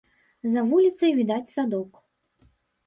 За вуліцай відаць садок.